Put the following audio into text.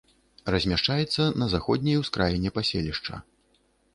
Размяшчаецца на заходняй ускраіне паселішча.